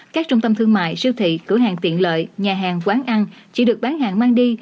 các trung tâm thương mại siêu thị cửa hàng tiện lợi nhà hàng quán ăn chỉ được bán hàng mang đi